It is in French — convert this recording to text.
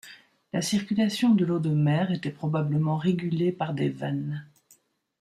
La circulation de l'eau de mer était probablement régulée par des vannes.